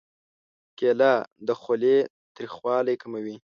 کېله د خولې تریخوالی کموي.